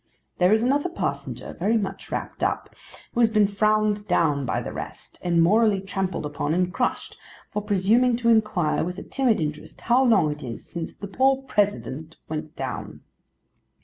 There is another passenger very much wrapped up, who has been frowned down by the rest, and morally trampled upon and crushed, for presuming to inquire with a timid interest how long it is since the poor President went down.